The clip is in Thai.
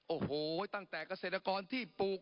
โอ้โหตั้งแต่เกษตรกรที่ปลูก